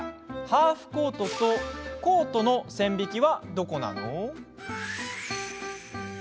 ハーフコートとコートの線引きはどこなの？